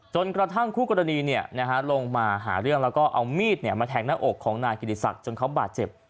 จนกระทั่งคู่กรณีลงมาหาเรื่องแล้วก็เอามีดมาแทงหน้าอกของนายกิติศักดิ์จนเขาบาดเจ็บ